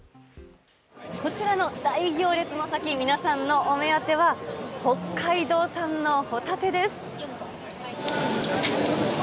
こちらの大行列の先皆さんのお目当ては北海道産のホタテです！